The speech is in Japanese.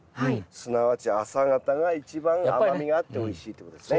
すなわち朝方が一番甘みがあっておいしいってことですね。